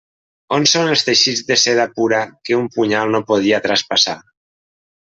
On són els teixits de seda pura que un punyal no podia traspassar?